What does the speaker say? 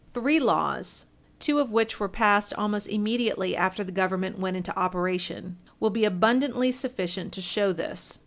Three laws, two of which were passed almost immediately after the Government went into operation, will be abundantly sufficient to show this.